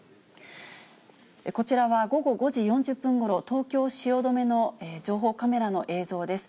こちらは午後５時４０分ごろ、東京・汐留の情報カメラの映像です。